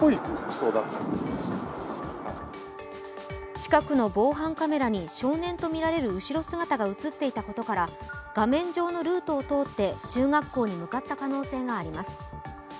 近くの防犯カメラに少年とみられる後ろ姿が映っていたことから画面上のルートを通って中学校に向かった可能性があります。